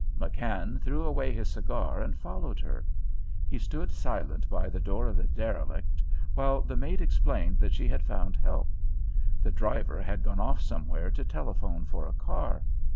McKann threw away his cigar and followed her. He stood silent by the door of the derelict, while the maid explained that she had found help. The driver had gone off somewhere to telephone for a car.